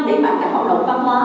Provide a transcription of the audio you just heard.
nằm đẩy mạnh các hoạt động văn hóa